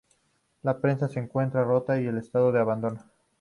La presa se encuentra rota y en estado de abandono.